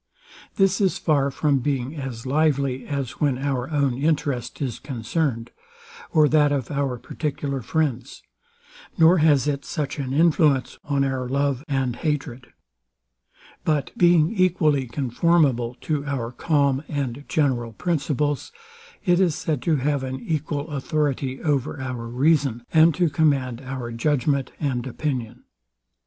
This is far from being as lively as when our own interest is concerned, or that of our particular friends; nor has it such an influence on our love and hatred: But being equally conformable to our calm and general principles, it is said to have an equal authority over our reason, and to command our judgment and opinion.